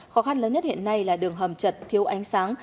khó khăn lớn nhất hiện nay là đường hầm chật thiếu ánh sáng